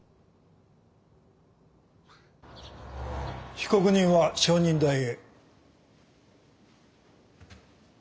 被告人は証人台へ。